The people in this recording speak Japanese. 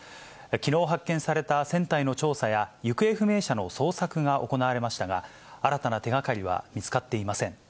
きのう発見された船体の調査や、行方不明者の捜索が行われましたが、新たな手がかりは見つかっていません。